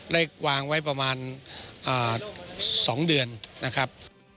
ได้วางไว้ประมาณ๒เดือนนะครับ